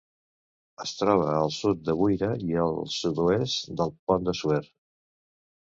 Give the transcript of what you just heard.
Es troba al sud de Buira i al sud-oest del Pont de Suert.